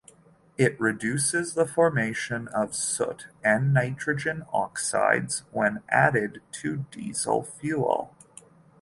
It reduces the formation of soot and nitrogen oxides when added to diesel fuel.